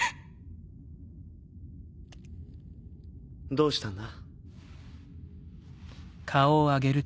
どうしたんだ？